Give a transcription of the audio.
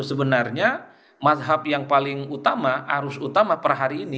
sebenarnya mazhab yang paling utama arus utama per hari ini